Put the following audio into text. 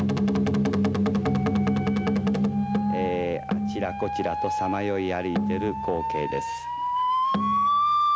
あちらこちらとさまよい歩いてる光景です。